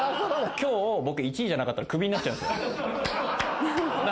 きょう、僕、１位じゃなかったら、クビになっちゃうんです。